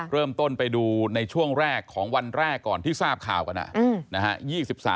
เริ่มต้นไปดูในช่วงแรกของวันแรกก่อนที่ทราบข่าวกันนะฮะ